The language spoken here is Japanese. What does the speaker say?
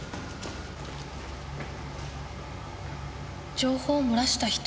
情報を漏らした人？